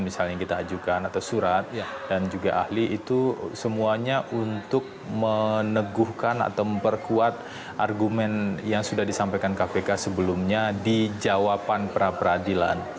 misalnya kita ajukan atau surat dan juga ahli itu semuanya untuk meneguhkan atau memperkuat argumen yang sudah disampaikan kpk sebelumnya di jawaban pra peradilan